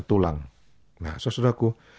tulang nah saudara aku